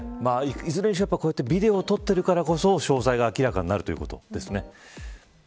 いずれにしろ、こうやってビデオで撮っているからこそ詳細が明らかになるということですね。